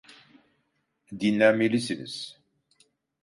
Dinlenmelisiniz.